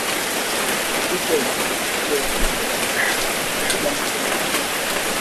Msemaji wa Shujaa Kanali Mak Hazukay aliliambia shirika la habari la reuters kuwa